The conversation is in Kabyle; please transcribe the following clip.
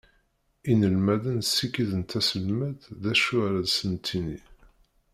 Inelmaden sikiden taselmadt d acu ara sen-d-tini.